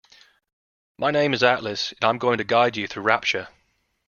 My name is Atlas and I'm going to guide you through Rapture.